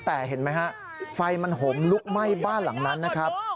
แต่เห็นไหมฮะไฟมันห่มลุกไหม้บ้านหลังนั้นนะครับ